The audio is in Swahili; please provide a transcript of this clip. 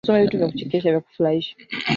ependa atoe hiyo ushahidi